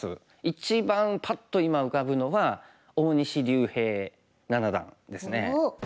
一番パッと今浮かぶのは大西竜平七段ですね。